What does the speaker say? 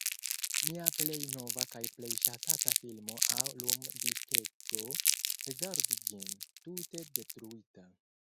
Mia plej nova kaj plej ŝatata filmo aŭ lumdiskego, rigardu ĝin: tute detruita.